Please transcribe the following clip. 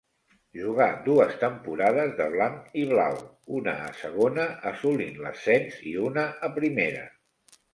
Jugà dues temporades de blanc-i-blau, una a segona, assolint l'ascens, i una a primera.